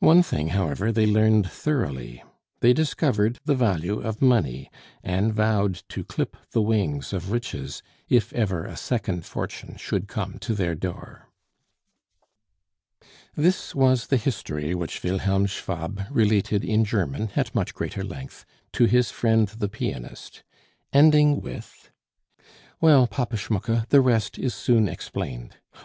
One thing, however, they learned thoroughly they discovered the value of money, and vowed to clip the wings of riches if ever a second fortune should come to their door. This was the history which Wilhelm Schwab related in German, at much greater length, to his friend the pianist, ending with; "Well, Papa Schmucke, the rest is soon explained.